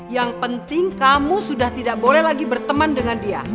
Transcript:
yang penting kamu sudah tidak boleh lagi berteman dengan dia